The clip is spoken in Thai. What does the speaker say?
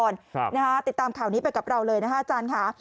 ติดตามข่าวนี้ไปกับเราเลยนะคะอาจารย์ค่ะ